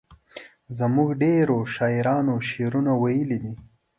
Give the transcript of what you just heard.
زموږ ډیرو شاعرانو شعرونه ویلي دي.